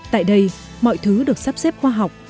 tại đây mọi thứ được sắp xếp khoa học